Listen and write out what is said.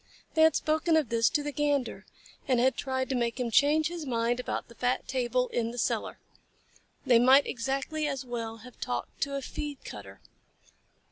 They had spoken of this to the Gander, and had tried to make him change his mind about the fat table in the cellar. They might exactly as well have talked to a feed cutter.